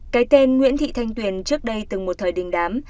cái tên nguyễn thị thanh tuyền trước đây từng một thời đình đám